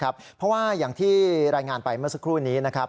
เพราะว่าอย่างรายงานไปเมื่อสักครู่นี้